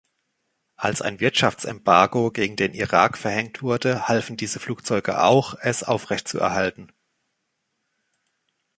Als ein Wirtschaftsembargo gegen den Irak verhängt wurde, halfen diese Flugzeuge auch, es aufrechtzuerhalten.